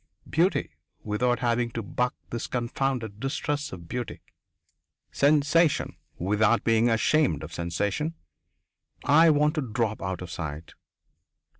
Beauty, without having to buck this confounded distrust of beauty. Sensation, without being ashamed of sensation. I want to drop out of sight.